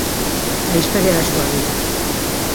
A historia da súa vida: